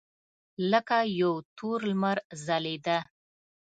لکه یو تور لمر ځلېده.